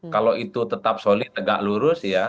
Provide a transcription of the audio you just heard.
kalau itu tetap solid tegak lurus ya